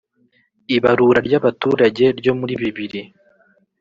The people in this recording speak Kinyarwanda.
ibarura ry'abaturage ryo muri bibiri